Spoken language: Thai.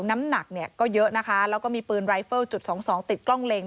น้ำหนักก็เยอะนะคะแล้วก็มีปืนไรเฟลล์จุด๒๒ติดกล้องเล็ง